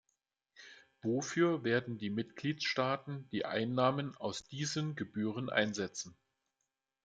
Wofür werden die Mitgliedstaaten die Einnahmen aus diesen Gebühren einsetzen?